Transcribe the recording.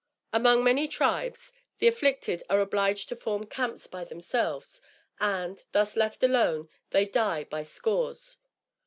Among many tribes, the afflicted are obliged to form camps by themselves; and, thus left alone, they die by scores.